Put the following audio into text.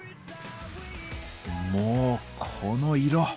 もうこの色！